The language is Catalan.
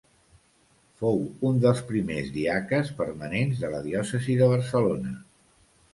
Fou un dels primers diaques permanents de la diòcesi de Barcelona.